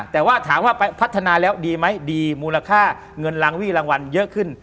แต่ว่าถามว่าไปพัฒนาแล้วดีไหมดีมูลค่าเงินรางวี่รางวัลเยอะขึ้น